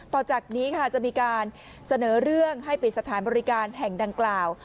ต่อจากนี้ค่ะจะมีการเสนอเรื่องให้ปิดสถานบริการแห่งดังกล่าว